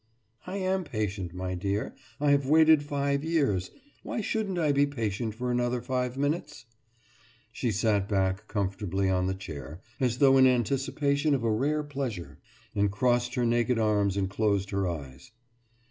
« »I am patient, my dear. I have waited five years. Why shouldn't I be patient for another five minutes?« She sat back comfortably on the chair, as though in anticipation of a rare pleasure, and crossed her naked arms and closed her eyes.